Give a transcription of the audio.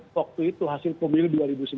waktu itu hasil pemilih dua ribu sembilan